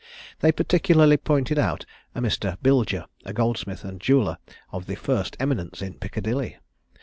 They particularly pointed out a Mr. Bilger, a goldsmith and jeweller of the first eminence in Piccadilly.